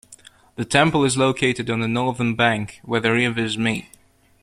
The temple is located on the northern bank where the rivers meet.